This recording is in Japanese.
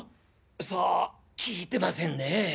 さあ聞いてませんねえ。